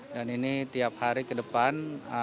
dan ini tiap hari ke depan